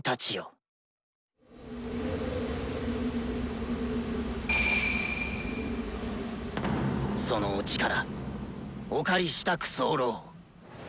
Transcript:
心の声そのお力お借りしたく候。